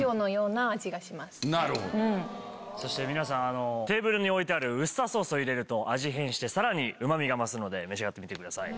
そして皆さんテーブルに置いてあるウスターソースを入れると味変してさらにうま味が増すので召し上がってみてください。